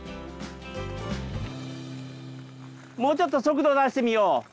もうちょっと速度出してみよう。